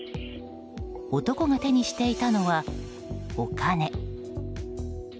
男が手にしていたのは、お金。